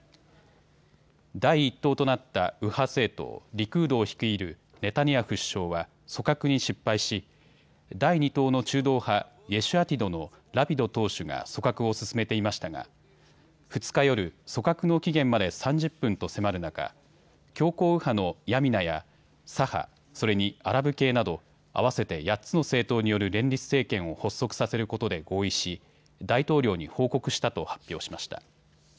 第１党となった右派政党、リクードを率いるネタニヤフ首相は組閣に失敗し第２党の中道派イェシュアティドのラピド党首が組閣を進めていましたが２日夜、組閣の期限まで３０分と迫る中、強硬右派のヤミナや左派、それにアラブ系など合わせて８つの政党による連立政権を発足させることで合意し大統領に報告したと発表しました。